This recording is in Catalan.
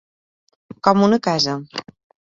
Com una casa.